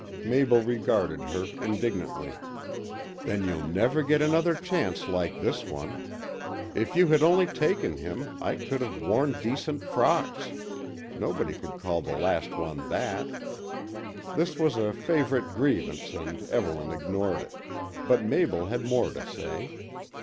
Mabel regarded her indignantly. "Then you'll never get another chance like this one. If you had only taken him I could have worn decent frocks. Nobody could call the last one that." This was a favourite grievance and Evelyn ignored it; but Mabel had more to say.